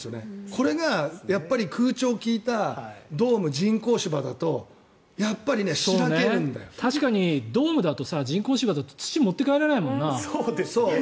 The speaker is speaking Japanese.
これが、やっぱり空調利いたドーム、人工芝だと確かにドームだと人工芝だと土、持って帰れないもんな。